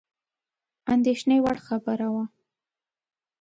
اندېښني وړ خبره وه.